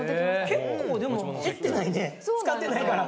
結構でも減ってないね使ってないから。